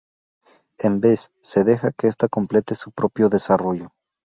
En vez se deja que esta complete su propio desarrollo.